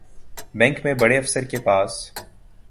bank میں بڑے افسر کے پاس